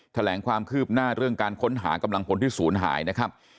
แถลงความคืบหน้าเรื่องการค้นหากำลังพลที่ศูนย์หายนะครับ